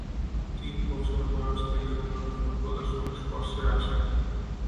তিন বছর বয়স থেকে রোনালদো ফুটবলের সংস্পর্শে আসেন।